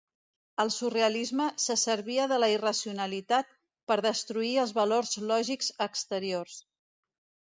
El surrealisme se servia de la irracionalitat per destruir els valors lògics exteriors.